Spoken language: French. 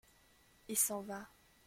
Il s’en va.